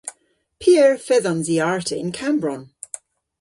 P'eur fedhons i arta yn Kammbronn?